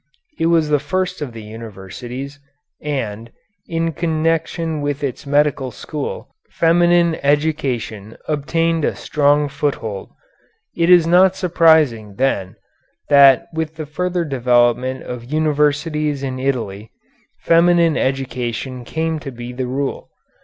It was the first of the universities, and, in connection with its medical school, feminine education obtained a strong foothold. It is not surprising, then, that with the further development of universities in Italy, feminine education came to be the rule.